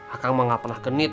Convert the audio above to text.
akang mah gak pernah genit